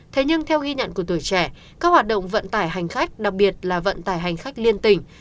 thế nhưng theo ghi nhận của tuổi trẻ các hoạt động vận tải hành khách đặc biệt là vận tải hành khách liên tỉnh